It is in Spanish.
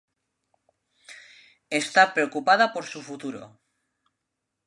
Está preocupada por su futuro.